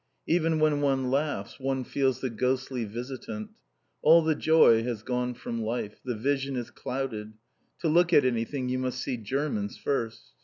Even when one laughs one feels the ghostly visitant. All the joy has gone from life. The vision is clouded. To look at anything you must see Germans first.